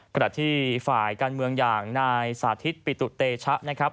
กระดาษที่ฝ่ายการเมืองอย่างนายสาธิตปิตุเตชะ